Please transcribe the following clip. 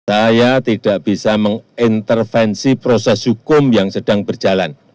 saya tidak bisa mengintervensi proses hukum yang sedang berjalan